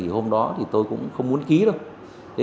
hôm đó thì tôi cũng không muốn ký đâu